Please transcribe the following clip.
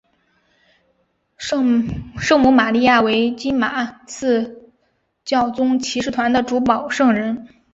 圣母玛利亚为金马刺教宗骑士团的主保圣人。